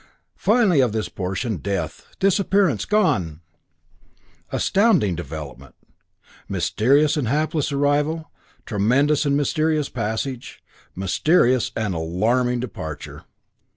Finally, of this portion, death, disappearance, gone! Astounding development! Mysterious and hapless arrival, tremendous and mysterious passage, mysterious and alarming departure.